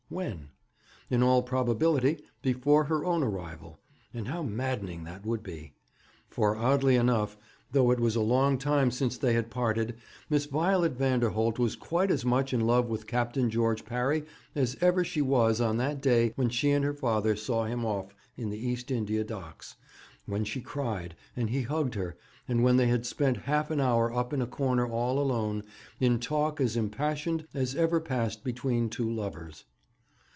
When? In all probability before her own arrival; and how maddening that would be! For, oddly enough, though it was a long time since they had parted, Miss Violet Vanderholt was quite as much in love with Captain George Parry as ever she was on that day when she and her father saw him off in the East India Docks, when she cried, and he hugged her, and when they had spent half an hour up in a corner all alone in talk as impassioned as ever passed between two lovers.